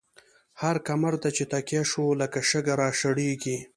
هر کمر ته چی تکیه شوو، لکه شگه را شړیږی